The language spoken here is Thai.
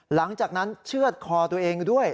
หลังจากนั้นเชื่อดคอตัวเองด้วย